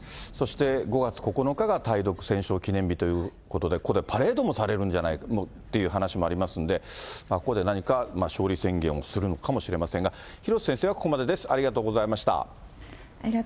そして５月９日が対独戦勝記念日ということで、これ、パレードもされるんじゃないかという話もありますんで、ここで何か勝利宣言をするのかもしれませんが、廣瀬先生はここまでです、ありがとうございました。